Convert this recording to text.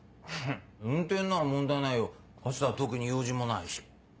運転なら問題ないよあしたは特に用事もないし。